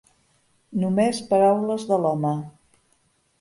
Només paraules de l'home.